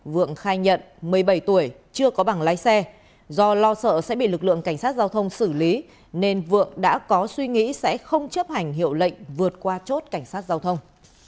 vượng khai nhận một mươi bảy tuổi chưa có bảng lái xe do lo sợ sẽ bị lực lượng cảnh sát giao thông xử lý nên vượng đã có suy nghĩ sẽ không chấp hành hiệu lệnh vượt qua chốt cảnh sát giao thông